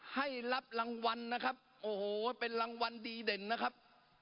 ให้รับรางวัลนะครับโอ้โหเป็นรางวัลดีเด่นนะครับ